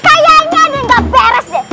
kayaknya ada yang gak beres deh